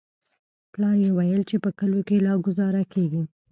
پلار يې ويل چې په کليو کښې لا گوزاره کېږي.